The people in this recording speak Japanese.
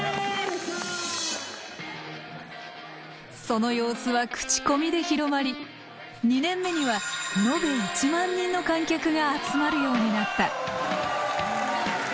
その様子は口コミで広まり２年目には延べ１万人の観客が集まるようになった。